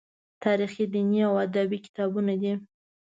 تاریخي، دیني او ادبي کتابونه دي.